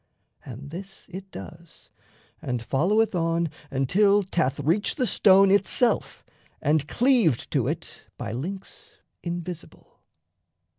And this it does, and followeth on until 'Thath reached the stone itself and cleaved to it By links invisible.